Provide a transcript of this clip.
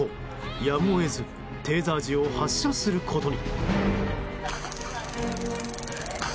やむを得ずテーザー銃を発射することに。